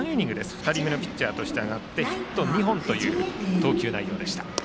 ２人目のピッチャーとして上がりヒット２本という投球内容でした。